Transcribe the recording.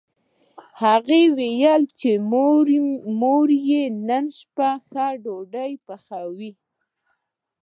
هغه وویل چې مور یې نن شپه ښه ډوډۍ پخوي